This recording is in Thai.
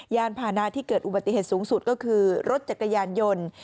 ยานพานะที่เกิดอุบัติเหตุสูงสุดก็คือรถจักรยานยนต์